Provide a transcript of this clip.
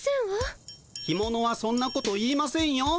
干ものはそんなこと言いませんよ。